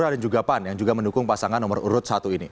dan juga pan yang mendukung pasangan nomor urut satu